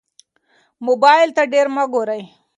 موبایل ته ډېر مه ګورئ.